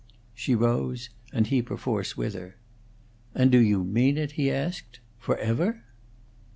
She rose, and he perforce with her. "And do you mean it?" he asked. "Forever?"